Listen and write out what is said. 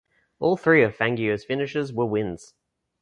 All three of Fangio's finishes were wins.